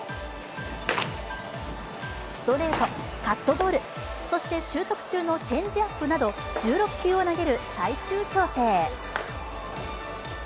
ストレート、カットボール、そして習得中のチェンジアップなど１６球を投げる最終調整。